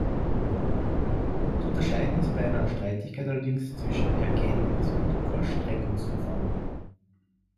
Zu unterscheiden ist bei einer Streitigkeit allerdings zwischen Erkenntnis- und Vollstreckungsverfahren.